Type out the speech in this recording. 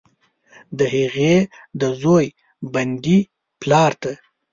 د هغې، د زوی، بندي پلارته،